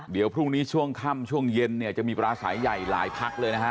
เดี๋ยวพรุ่งนี้ช่วงค่ำช่วงเย็นเนี่ยจะมีปราศัยใหญ่หลายพักเลยนะฮะ